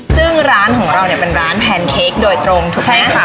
ซึ่งร้านของเราเนี่ยเป็นร้านแพนเค้กโดยตรงถูกไหมคะ